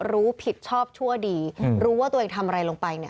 รู้ผิดชอบชั่วดีรู้ว่าตัวเองทำอะไรลงไปเนี่ย